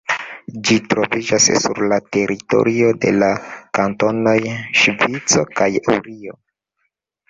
Ĝi troviĝas sur la teritorio de la kantonoj Ŝvico kaj Urio.